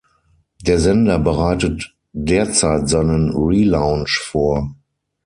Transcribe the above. Der Sender bereitet derzeit seinen Relaunch vor.